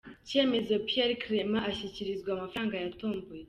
Cyemezo Pierre Clement ashyikirizwa amafaranga yatomboye.